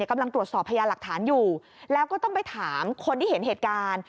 กำลังตรวจสอบพยาหลักฐานอยู่แล้วก็ต้องไปถามคนที่เห็นเหตุการณ์